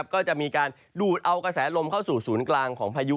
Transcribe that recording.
ก็จะมีการดูดเอากระแสลมเข้าสู่ศูนย์กลางของพายุ